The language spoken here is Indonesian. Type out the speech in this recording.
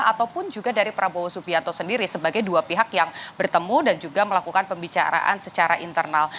ataupun juga dari prabowo subianto sendiri sebagai dua pihak yang bertemu dan juga melakukan pembicaraan secara internal